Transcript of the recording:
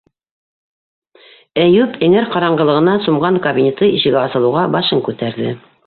- Әйүп эңер ҡараңғылығына сумған кабинеты ишеге асылыуға башын күтәрҙе.